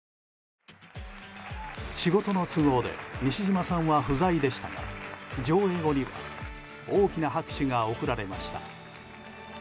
仕事の都合で西島さんは不在でしたが上映後に大きな拍手が送られました。